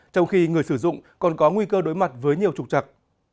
trong khi người sử dụng còn có nguy cơ đối mặt với nhiều trục trặc